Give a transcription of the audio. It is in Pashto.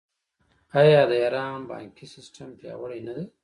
آیا د ایران بانکي سیستم پیاوړی نه دی؟